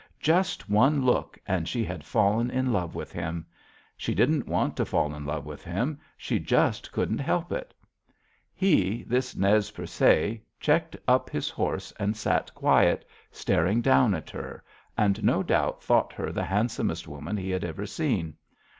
Just one look, and she had fallen in love with him! She didn't want to fall in love with him; she just couldn't help it! "He, this Nez Percé, checked up his horse and sat quiet, staring down at her, and no doubt thought her the handsomest woman he had ever seen.